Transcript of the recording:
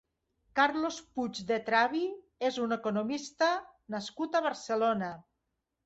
Carlos Puig de Travy és un economista nascut a Barcelona.